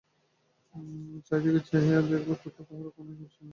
চারি দিকে চাহিয়া দেখিল কোথাও কাহারো কোনো চিহ্ন নাই।